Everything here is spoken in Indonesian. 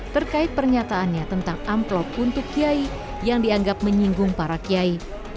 terkait pernyataannya tentang amplop untuk kiai yang dianggap menyinggung para kiai